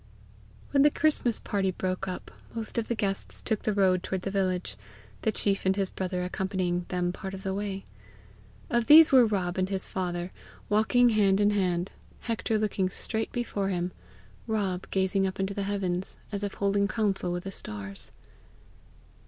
When the Christmas party broke up, most of the guests took the road toward the village, the chief and his brother accompanying them part of the way. Of these were Rob and his father, walking hand in hand, Hector looking straight before him, Rob gazing up into the heavens, as if holding counsel with the stars.